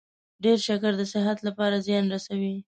ډیر شکر د صحت لپاره زیان رسوي.